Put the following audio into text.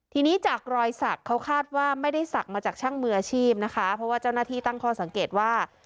ทีนี้จากรอยสักเขาคาดว่าไม่ได้ศักดิ์มาจากช่างมืออาชีพนะคะเพราะว่าเจ้าหน้าที่ตั้งข้อสังเกตว่า